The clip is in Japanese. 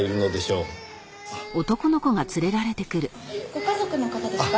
ご家族の方ですか？